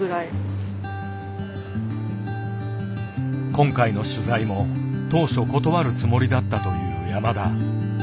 今回の取材も当初断るつもりだったという山田。